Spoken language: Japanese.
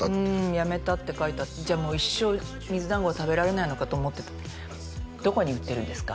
やめたって書いてあってじゃもう一生水だんごは食べられないのかと思ってたどこに売ってるんですか？